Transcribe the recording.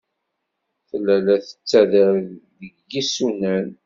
Tella la tettader deg yisunan.